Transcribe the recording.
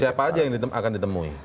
siapa aja yang akan ditemui